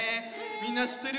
みんなしってる？